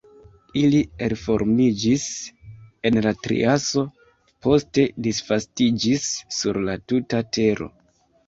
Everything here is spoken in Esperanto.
Ili elformiĝis en la triaso, poste disvastiĝis sur la tuta Tero.